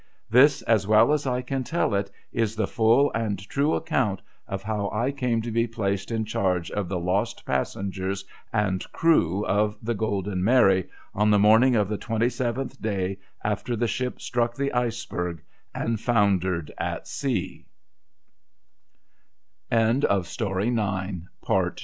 This, as well as I can tell it, is the full and true account of how I came to be placed in charge of the lost passengers and crew of the Golden Mary, on the morning of the twenty seventh day after the ship struck the Iceberg, an